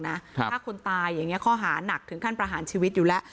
ถ้าคนตายอย่างนี้ข้อหานักถึงขั้นประหารชีวิตอยู่แล้ว